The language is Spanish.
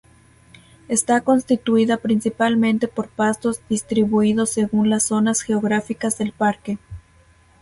Está constituida principalmente por pastos, distribuidos según las zonas geográficas del parque.